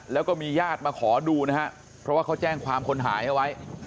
แล้วก็มีญาติมาขอดูนะครับเพราะว่าเขาแจ้งความคนหายเอาไว้